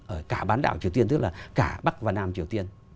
ở cả bán đảo triều tiên tức là cả bắc và nam triều tiên